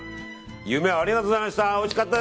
夢をありがとうございました。